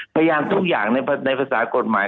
พยายามทุกอย่างในภาษากฎหมาย